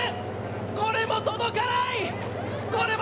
これも届かない。